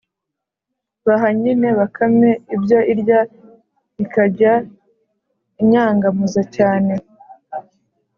baha nyine bakame ibyo irya, ikajya inyangamuza cyane,